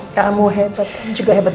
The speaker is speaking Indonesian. kamu hebat kamu juga hebat